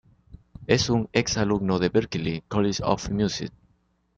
Es un ex alumno de Berklee College of Music.